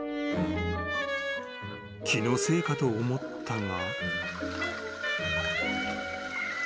［気のせいかと思ったが］